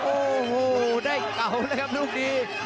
โอ้โหได้เก่าเลยครับลูกนี้